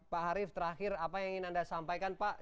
saya ke pak harief terakhir apa yang ingin anda sampaikan pak